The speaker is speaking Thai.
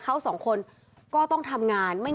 ขอบคุณครับ